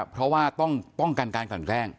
เพราะว่าต้องป้องกันการกลั่นแกล้ง